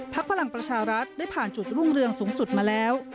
พลังประชารัฐได้ผ่านจุดรุ่งเรืองสูงสุดมาแล้ว